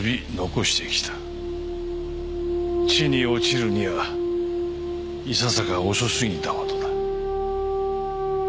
地に落ちるにはいささか遅すぎたほどだ。